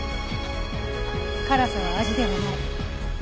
辛さは味ではない。